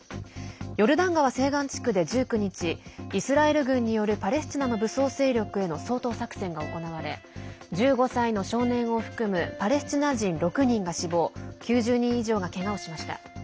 ヨルダン川西岸地区で１９日イスラエル軍によるパレスチナの武装勢力への掃討作戦が行われ１５歳の少年を含むパレスチナ人６人が死亡９０人以上がけがをしました。